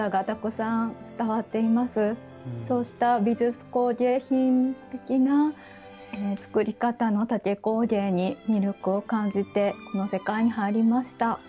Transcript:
そうした美術工芸品的な作り方の竹工芸に魅力を感じてこの世界に入りました。